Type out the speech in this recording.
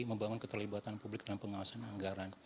membangun keterlibatan publik dalam pengawasan anggaran